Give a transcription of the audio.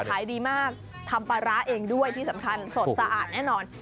ขายดีมากทำปลาร้าเองด้วยที่สำคัญสดสะอาดแน่นอน